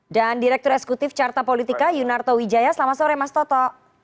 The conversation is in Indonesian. dan direktur eksekutif carta politika yunarto wijaya selamat sore mas toto